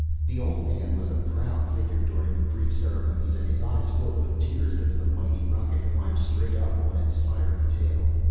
The old man was a proud figure during the brief ceremonies and his eyes filled with tears as the mighty rocket climbed straight up on its fiery tail.